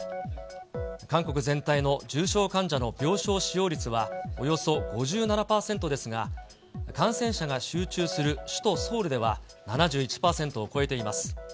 韓国全体の重症患者の病床使用率はおよそ５７％ですが、感染者が集中する首都ソウルでは７１％を超えています。